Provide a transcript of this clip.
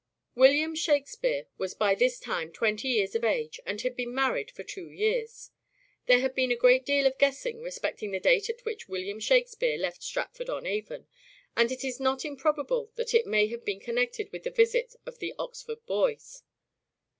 William Shakspere was by this time twenty years of age and had been married for two years. There has been a great deal of guessing respecting the date at which William Shakspere left Stratford on Avon, and it is not improbable that it may have been connected with the visit of the '' Oxford Boys."